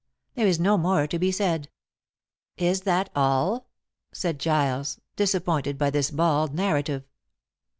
There is no more to be said." "Is that all?" said Giles, disappointed by this bald narrative.